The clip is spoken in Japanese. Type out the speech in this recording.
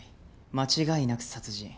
間違いなく殺人。